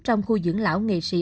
trong khu dưỡng lão nghệ sĩ